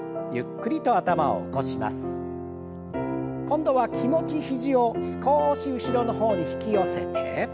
今度は気持ち肘を少し後ろの方に引き寄せて。